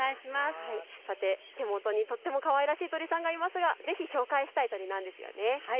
手元にとてもかわいい鳥さんがいますがぜひ紹介したい鳥なんですよね。